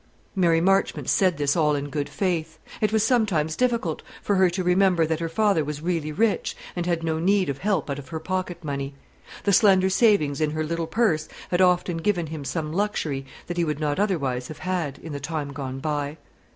Mary Marchmont said this in all good faith. It was sometimes difficult for her to remember that her father was really rich, and had no need of help out of her pocket money. The slender savings in her little purse had often given him some luxury that he would not otherwise have had, in the time gone by.